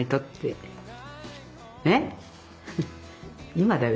今だよ